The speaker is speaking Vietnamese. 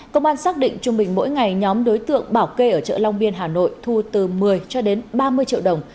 công an xác định trung bình mỗi ngày nhóm đối tượng bảo kê ở chợ long biên hà nội thu từ một mươi cho đến ba mươi triệu đồng